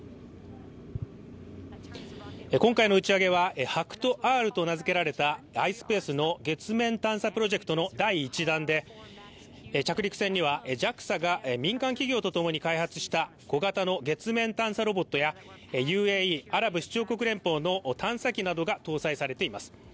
今回の打ち上げはＨＡＫＵＴＯ−Ｒと名付けられたｉｓｐａｃｅの月面探査プロジェクトの第１弾で、着陸船にはＪＡＸＡが民間企業と共に開発した小型の月面探査ロボットやＵＡＥ＝アラブ首長国連邦の探査機などが搭載されています。